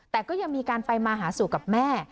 แต่ก็ยังมีการไปมาหาสู่กับแม่